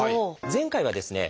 前回はですね